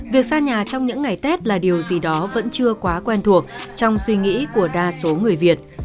việc xa nhà trong những ngày tết là điều gì đó vẫn chưa quá quen thuộc trong suy nghĩ của đa số người việt